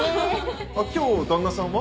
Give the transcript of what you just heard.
今日旦那さんは？